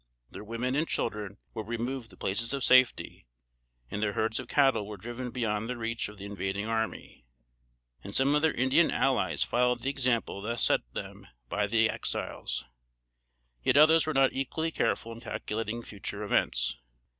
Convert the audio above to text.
Their women and children were removed to places of safety, and their herds of cattle were driven beyond the reach of the invading army; and some of their Indian allies followed the example thus set them by the Exiles; yet others were not equally careful in calculating future events.